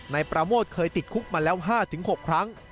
นายประโมทเคยติดคุกมาแล้ว๕๖ครั้ง